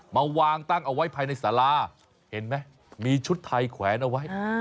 มาวางตั้งเอาไว้ภายในสาราเห็นไหมมีชุดไทยแขวนเอาไว้